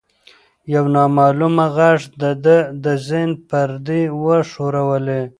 یو نامعلومه غږ د ده د ذهن پردې وښورولې.